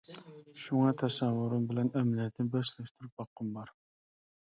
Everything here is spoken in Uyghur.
شۇڭا، تەسەۋۋۇرۇم بىلەن ئەمەلىيەتنى بىر سېلىشتۇرۇپ باققۇم بار.